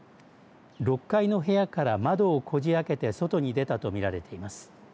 ６階の部屋から窓をこじあけて外に出たとみられています。